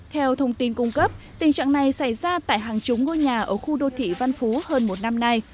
theo thông tin cung cấp tình trạng này xảy ra tại hàng chống ngôi nhà ở khu đô thị văn phú hơn một năm nay